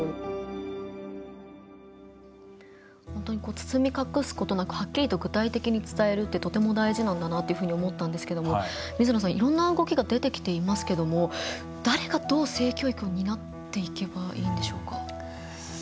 包み隠すことなくはっきりと具体的に伝えるってとても大事なんだなって思ったんですけども水野さん、いろんな動きが出てきていますけれども誰がどう性教育を担っていけばいいんでしょうか？